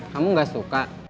kamu gak suka